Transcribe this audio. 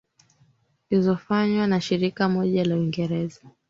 izofanywa na shirika moja la uingereza